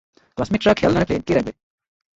ক্লাসমেটরা খেয়াল না রাখলে কে রাখবে?